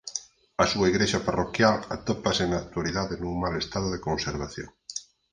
A súa igrexa parroquial atópase na actualidade nun mal estado de conservación.